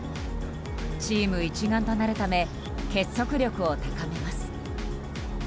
チーム一丸となるため結束力を高めます。